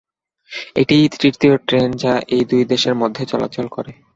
এটিই তৃতীয় ট্রেন যা এই দুই দেশের মধ্যে চলাচল করে।